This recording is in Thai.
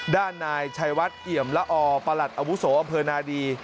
ด้านนายชายวัดเอ๋ยมละออประหลัดอาวุโสอเผินนาดี